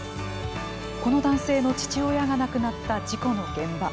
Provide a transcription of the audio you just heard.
この男性の父親が亡くなった事故の現場。